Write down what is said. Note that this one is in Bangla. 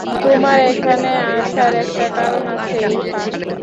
তোমার এখানে আসার একটা কারণ আছে, ইরফান।